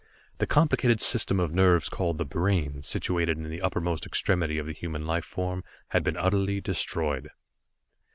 The complicated system of nerves, called the brain, situated in the uppermost extremity of the human life form, had been utterly destroyed.